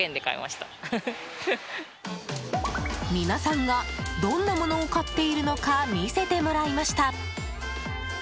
皆さんがどんなものを買っているのか見せてもらいました。